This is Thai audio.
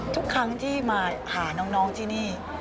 ทุกครั้งที่มาหาน้องที่นี่